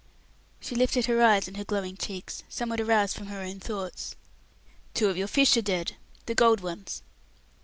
She lifted her eyes and her glowing cheeks, somewhat aroused from her own thoughts. "Two of your fish are dead. The gold ones."